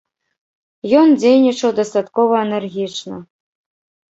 Ён дзейнічаў дастаткова энергічна.